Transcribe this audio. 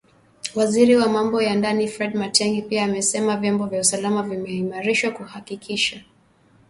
Waziri wa Mambo ya Ndani Fred Matiang’i pia amesema vyombo vya usalama vimeimarishwa kuhakikisha usalama katika uchaguzi na nchi.